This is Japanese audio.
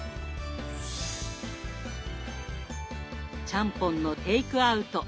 ちゃんぽんのテイクアウト。